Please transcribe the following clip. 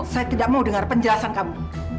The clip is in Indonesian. saya tidak mau dengar penjelasan kamu